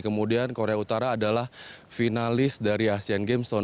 kemudian korea utara adalah finalis dari asean games tahun dua ribu empat belas